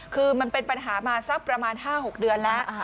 คือมันเป็นปัญหามาสักประมาณ๕๖เดือนแล้ว